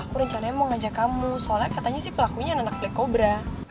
aku rencananya mau ngajak kamu soalnya katanya sih pelakunya anak anak black cobra